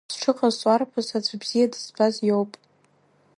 Ас зҽыҟазҵо арԥыс аӡә бзиа дызбаз иоуп.